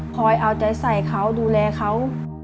เอาใจใส่เขาดูแลเขา